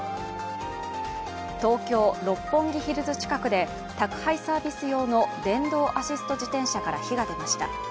東京・六本木ヒルズ近くで宅配サービス用の電動アシスト自転車から火が出ました。